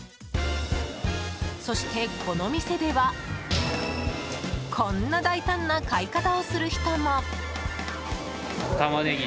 そしてこの店ではこんな大胆な買い方をする人も。